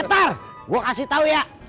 ntar gue kasih tau ya